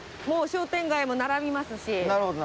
もう商店街も並びますし。